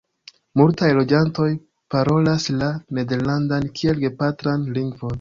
Multaj loĝantoj parolas la nederlandan kiel gepatran lingvon.